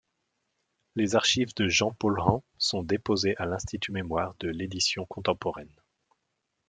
Les archives de Jean Paulhan sont déposées à l'Institut mémoires de l'édition contemporaine.